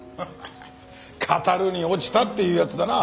語るに落ちたっていうやつだな。